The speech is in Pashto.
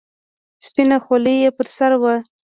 سپينه خولۍ يې پر سر وه.